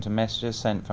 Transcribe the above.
chúc đại gia thương mộ